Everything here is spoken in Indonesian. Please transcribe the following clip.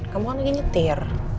kamu kan lagi nyetir